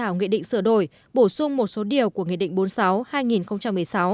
nghị định sửa đổi bổ sung một số điều của nghị định bốn mươi sáu hai nghìn một mươi sáu